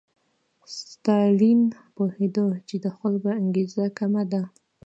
ستالین پوهېده چې د خلکو انګېزه کمه ده.